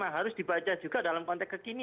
harus dibaca juga dalam konteks kekini